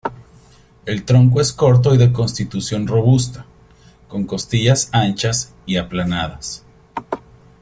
El tronco es corto y de constitución robusta, con costillas anchas y aplanadas.